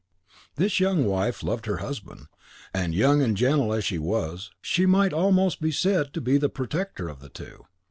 This young wife loved her husband; and young and gentle as she was, she might almost be said to be the protector of the two.